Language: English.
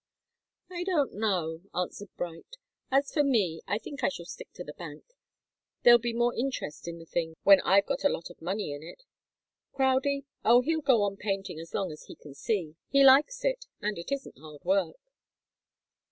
"I don't know," answered Bright. "As for me, I think I shall stick to the bank. There'll be more interest in the thing when I've got a lot of money in it. Crowdie? Oh he'll go on painting as long as he can see. He likes it and it isn't hard work."